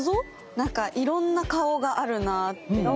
なんかいろんな顔があるなっていう。